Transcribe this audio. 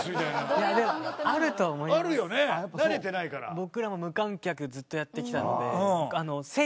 僕らも無観客ずっとやってきたので。